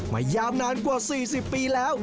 มายาวนานกว่า๔๐ปีแล้ว